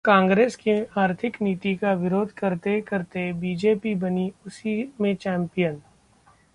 कांग्रेस की आर्थिक नीति का विरोध करते-करते बीजेपी बनी उसी में चैम्पियन